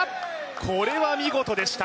これは見事でした。